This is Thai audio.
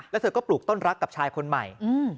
แล้วเธอก็ปลูกต้นรักกับชายคนใหม่